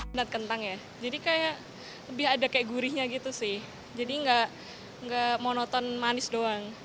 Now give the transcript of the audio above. donat kentang ya jadi kayak lebih ada gurihnya gitu sih jadi nggak monoton manis doang